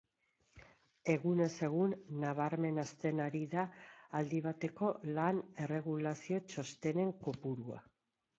Egunez egun nabarmen hazten ari da aldi baterako lan-erregulazio txostenen kopurua.